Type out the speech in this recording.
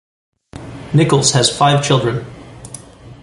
Nichols has five children.